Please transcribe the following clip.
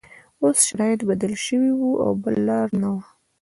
اوس شرایط بدل شوي وو او بله لاره نه وه